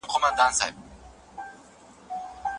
آیا ته د خپل تاريخ په اړه معلومات لرې؟